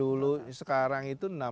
dulu sekarang itu enam puluh tujuh